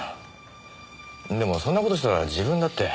でもそんな事したら自分だって。